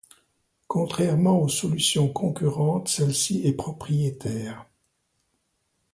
Contrairement aux solutions concurrentes, celle-ci est propriétaire.